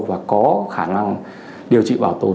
và có khả năng điều trị bảo tồn